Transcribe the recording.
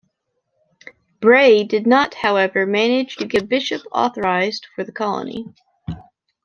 Bray did not, however, manage to get a bishop authorized for the colony.